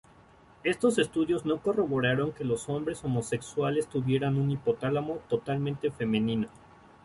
Estos estudios no corroboraron que los hombres homosexuales tuvieran un hipotálamo totalmente femenino.